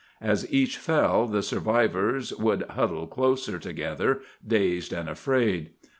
As each fell, the survivors would huddle closer together, dazed and afraid.